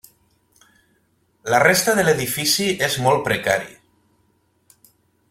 La resta de l'edifici és molt precari.